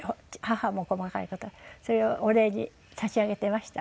それをお礼に差し上げてました。